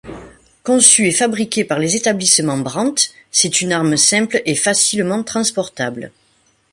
Conçu et fabriqué par les Établissements Brandt, c'est une arme simple et facilement transportable.